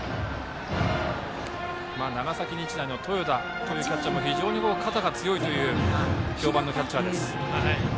長崎日大の豊田というキャッチャーも肩が強いと評判のキャッチャーです。